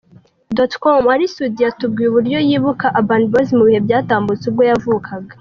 com, Ally Soudy yatubwiye uburyo yibuka Urban Boys mu bihe byatambutse ubwo yavukaga.